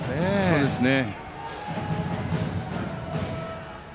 そうですね。